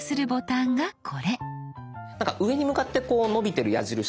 なんか上に向かってこう伸びてる矢印が。